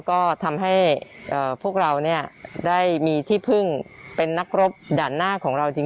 จำให้ใครจำนี้ได้ก่อนถ้าหมอจำได้ก็อย่างไร